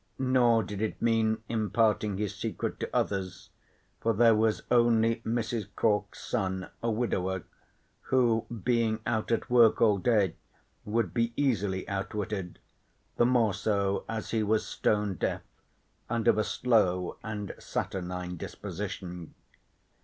Nor did it mean imparting his secret to others, for there was only Mrs. Cork's son, a widower, who being out at work all day would be easily outwitted, the more so as he was stone deaf and of a slow and saturnine disposition.